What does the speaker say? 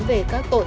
về các tội